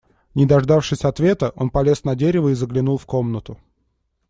Не дождавшись ответа, он полез на дерево и заглянул в комнату.